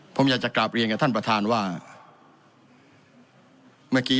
ผมอยากจะกลับเรียนกับท่านประธานว่าเมื่อกี้